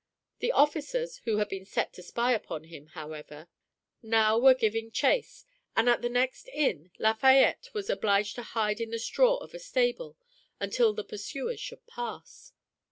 The officers who had been set to spy upon him, however, now were giving chase, and at the next inn Lafayette was obliged to hide in the straw of a stable until the pursuers should pass.